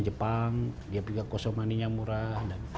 jepang dia punya cost of money yang murah